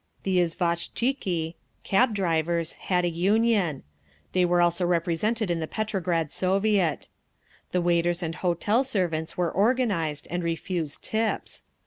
The izvoshtchiki (cab drivers) had a Union; they were also represented in the Petrograd Soviet. The waiters and hotel servants were organised, and refused tips.